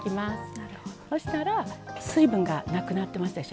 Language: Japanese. そしたら水分がなくなってますでしょう。